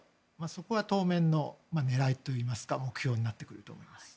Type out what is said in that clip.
そこが当面の狙いといいますか目標になってくると思います。